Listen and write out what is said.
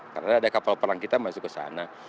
karena ada kapal perang kita masuk ke sana